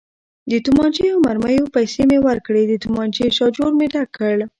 د تومانچې او مرمیو پیسې مې ورکړې، د تومانچې شاجور مې ډک کړ.